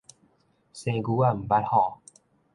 生牛仔毋捌虎